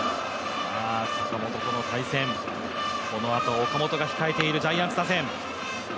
このあと、岡本が控えているジャイアンツ打線。